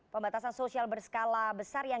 pembatasan sosial berskala besar